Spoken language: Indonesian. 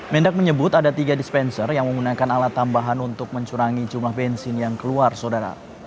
mendak menyebut ada tiga dispenser yang menggunakan alat tambahan untuk mencurangi jumlah bensin yang keluar saudara